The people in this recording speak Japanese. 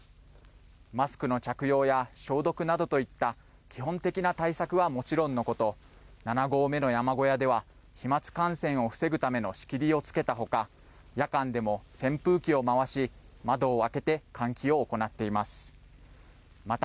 マスクの着用や消毒などといった基本的な対策はもちろんのこと７合目の山小屋では飛まつ感染を防ぐための仕切りをつけたほか夜間でも扇風機を回し窓を開けて換気を行っています。